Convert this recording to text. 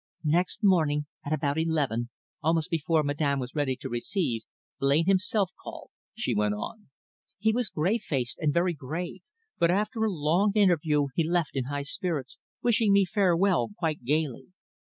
"Next morning, at about eleven, almost before Madame was ready to receive, Blain himself called," she went on. "He was grey faced and very grave, but after a rather long interview he left in high spirits, wishing me farewell quite gaily.